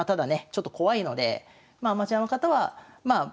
ちょっと怖いのでアマチュアの方はもしね